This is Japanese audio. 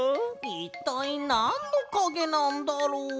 いったいなんのかげなんだろう？